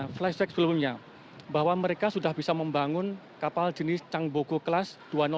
flashback sebelumnya bahwa mereka sudah bisa membangun kapal jenis chang boko kelas dua ratus sembilan seribu dua ratus